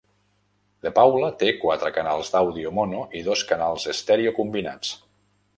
The Paula té quatre canals d'àudio mono i dos canals estèreo combinats.